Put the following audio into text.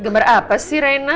gambar apa sih reina